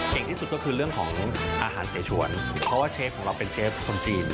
ที่สุดก็คือเรื่องของอาหารเสชวนเพราะว่าเชฟของเราเป็นเชฟคนจีน